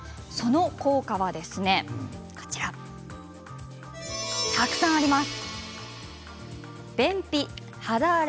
効果はたくさんあります。